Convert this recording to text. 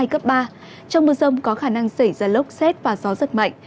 trong mưa rông có khả năng xảy ra lốc xét và gió rất mạnh